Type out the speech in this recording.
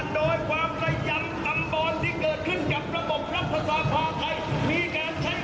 เรียกมางานสินจ้านางวันอย่างนี้หรือไม่